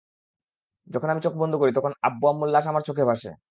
যখন আমি চোখ বন্ধ করি, তখন আব্বু-আম্মুর লাশ আমার চোখে ভাসে।